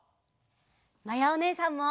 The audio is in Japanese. まやおねえさんも！